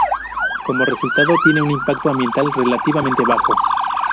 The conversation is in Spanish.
Como resultado, tiene un impacto ambiental relativamente bajo.